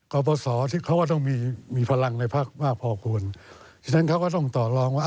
กบศที่เขาก็ต้องมีพลังในภาคมากพอควร